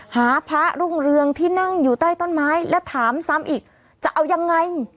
หาพระรุ่งเรืองที่นั่งอยู่ใต้ต้นไม้และถามซ้ำอีกจะเอายังไง